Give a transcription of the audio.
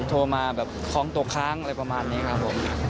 โทรมาอย่างเก้าของตุ๊กค้างอะไรประมาณนี้ครับผม